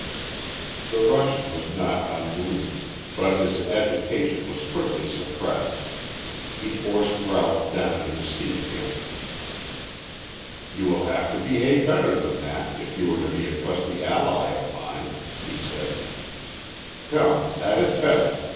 The Russian was not unmoved. But his agitation was quickly suppressed. He forced Ralph down in his seat again. "You will have to behave better than that if you are to be a trusty ally of mine," he said. "Come, that is better!